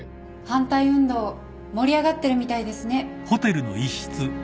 反対運動盛り上がってるみたいですね